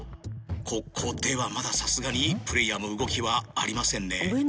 ここではまださすがにプレーヤーも動きはありませんね。